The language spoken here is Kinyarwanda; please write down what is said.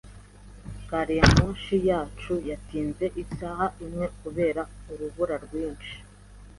Gariyamoshi yacu yatinze isaha imwe kubera urubura rwinshi.